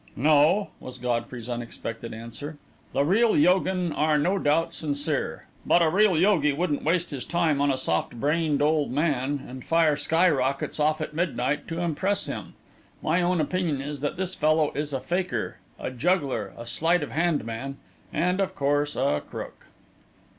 "No," was Godfrey's unexpected answer; "the real yogin are no doubt sincere; but a real yogi wouldn't waste his time on a soft brained old man, and fire sky rockets off at midnight to impress him. My own opinion is that this fellow is a fakir a juggler, a sleight of hand man and, of course, a crook."